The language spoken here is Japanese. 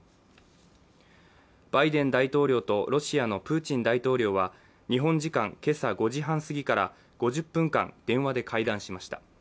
バイデン大統領とロシアのプーチン大統領は、日本時間今朝５時半すぎから５０分間電話で会談しました。